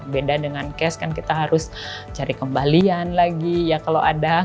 beda dengan cash kan kita harus cari kembalian lagi ya kalau ada